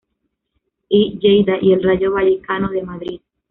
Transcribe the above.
E. Lleida y el Rayo Vallecano de Madrid.